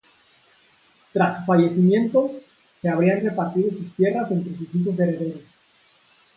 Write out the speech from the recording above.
Tras su fallecimiento, se habrían repartido sus tierras entre sus hijos herederos.